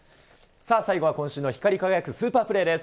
さあ、最後は今週の光り輝くスーパープレーです。